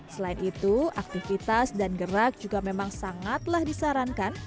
selain itu aktivitas dan gerak juga memang sangatlah disarankan